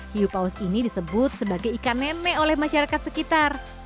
hiupaus ini disebut sebagai ikan nenek oleh masyarakat sekitar